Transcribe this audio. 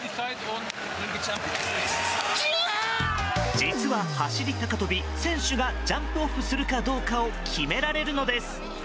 実は走り高跳び、選手がジャンプオフするかどうかを決められるのです。